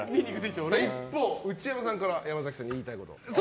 一方、内山さんから山崎さんに言いたいこと。